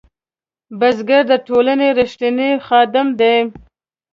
بزګر د ټولنې رښتینی خادم دی